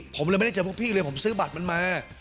ผมเลยไม่ได้เจอพวกพี่เลยผมซื้อบัตรมันมา